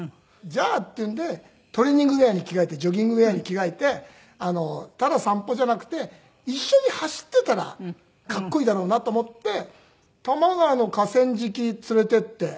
じゃあっていうんでトレーニングウェアに着替えてジョギングウェアに着替えてただ散歩じゃなくて一緒に走っていたらかっこいいだろうなと思って多摩川の河川敷連れて行って。